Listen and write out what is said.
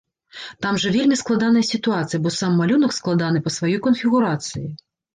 Там жа вельмі складаная сітуацыя, бо сам малюнак складаны па сваёй канфігурацыі.